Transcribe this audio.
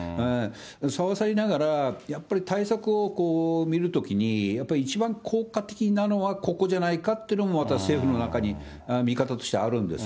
さはさりながら、やっぱり対策を見るときに、やっぱり一番効果的なのはここじゃないかっていうのもまた政府の中に見方としてあるんです。